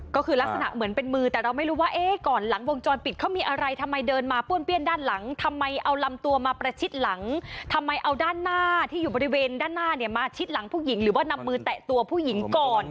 ก็คือลักษณะเหมือนเป็นมือแต่เราไม่รู้ว่าเอ๊ะก่อนหลังวงจรปิดเขามีอะไรทำไมเดินมาป้วนเปี้ยนด้านหลังทำไมเอาลำตัวมาประชิดหลังทำไมเอาด้านหน้าที่อยู่บริเวณด้านหน้าเนี่ยมาชิดหลังผู้หญิงหรือว่านำมือแตะตัวผู้หญิงก่อน